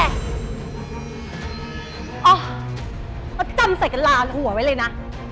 อ้อแล้วจำใส่กันราวในหัวไว้เลยนะ